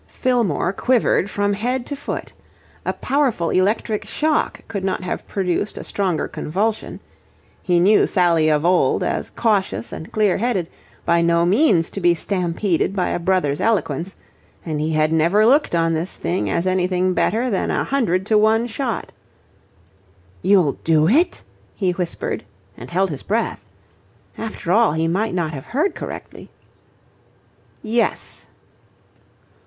Fillmore quivered from head to foot. A powerful electric shock could not have produced a stronger convulsion. He knew Sally of old as cautious and clear headed, by no means to be stampeded by a brother's eloquence; and he had never looked on this thing as anything better than a hundred to one shot. "You'll do it?" he whispered, and held his breath. After all he might not have heard correctly. "Yes."